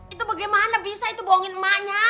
itu bagaimana bisa itu bohongin emaknya